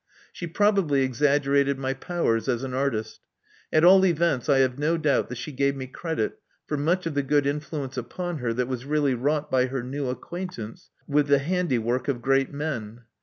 She probably exaggerated my powers as an artist: at all events I have no doubt that she gave me credit for much of the good influence upon her that was really wrought by her new acquaintance with the 2o6 Love Among the Artists handiwork of great men.